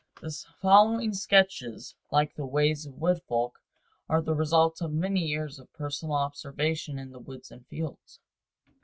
The following sketches, like the "Ways of Wood Folk," are the result of many years of personal observation in the woods and fields.